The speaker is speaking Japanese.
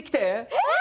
えっ！